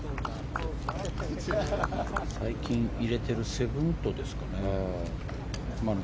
最近入れてる７ウッドですかね。